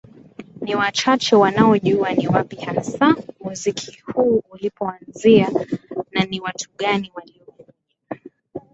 ni wachache wanaojua ni wapi hasa muziki huu ulipoanzia na ni watu gani waliovuja